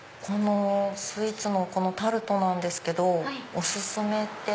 スイーツのタルトなんですけどお薦めって。